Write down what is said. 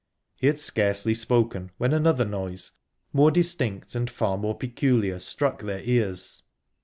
He had scarcely spoken when another noise, more distinct and far more peculiar, struck their ears.